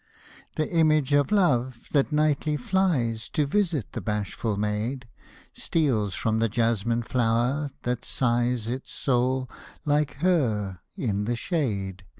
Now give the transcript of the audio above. The image of love, that nightly flies To visit the bashful maid, Steals from the jasmine flower, that sighs Its soul, like her, in the shade.